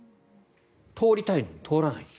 通りたいのに通らない。